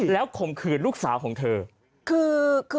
แล้วข่มขืนลูกสาวของเธอคือ